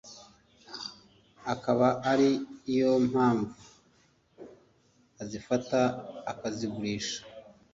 akaba ari yo mpamvu azifata akazigurisha